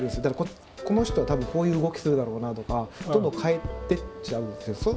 だからこの人はたぶんこういう動きするだろうなとかどんどん変えてっちゃうんですよ。